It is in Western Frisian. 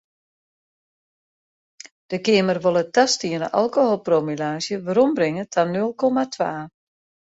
De Keamer wol it tastiene alkoholpromillaazje werombringe ta nul komma twa.